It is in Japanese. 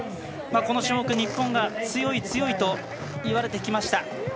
この種目、日本が強い、強いといわれてきました。